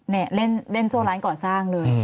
นี่เล่นโจ้ร้านก่อสร้างเลย